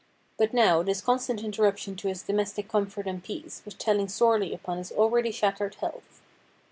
But now tins constant interruption to his domestic comfort and peace was telling sorely upon his already shattered health.